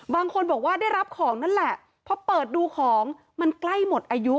บางคนบอกว่าได้รับของนั่นแหละพอเปิดดูของมันใกล้หมดอายุ